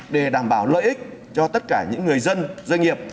để đảm bảo lợi ích cho tất cả những người dân doanh nghiệp